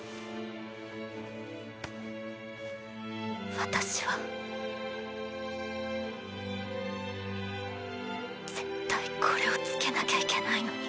私は絶対これをつけなきゃいけないのに